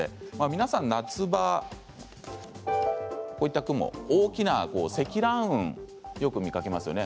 皆さん夏場大きな積乱雲よく見かけますよね。